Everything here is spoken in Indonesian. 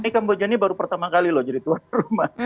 kamboja ini baru pertama kali jadi tuan rumah